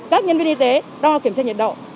các nhân viên y tế đo kiểm tra nhiệt độ